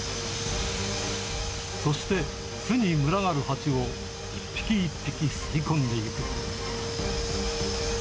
そして、巣に群がるハチを一匹一匹吸い込んでいく。